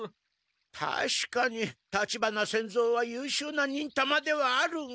たしかに立花仙蔵はゆうしゅうな忍たまではあるが。